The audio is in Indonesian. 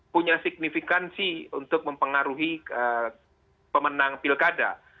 punya signifikansi untuk mempengaruhi pemenang pilkada